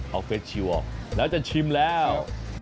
เอาเฟสชิลออกแล้วจะชิมแล้ว